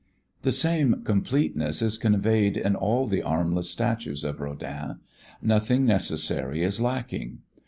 The same completeness is conveyed in all the armless statues of Rodin: nothing necessary is lacking.